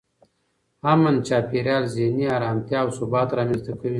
امن چاپېریال ذهني ارامتیا او ثبات رامنځته کوي.